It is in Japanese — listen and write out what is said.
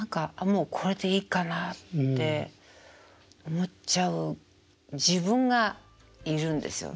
もうこれでいいかなって思っちゃう自分がいるんですよ。